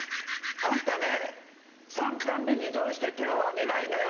あんたね参観日にどうして手を挙げないのよ。